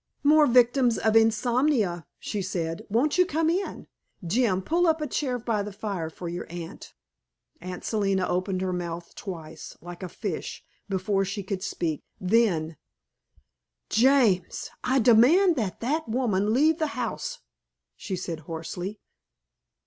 "More victims of insomnia!" she said. "Won't you come in? Jim, pull up a chair by the fire for your aunt." Aunt Selina opened her mouth twice, like a fish, before she could speak. Then "James, I demand that that woman leave the house!" she said hoarsely.